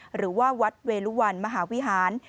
หรือว่าวัดเวลุวันมหาวิหาร